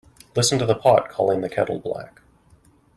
Listen to the pot calling the kettle black.